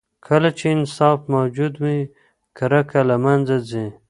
کله چې انصاف موجود وي، کرکه له منځه ځي.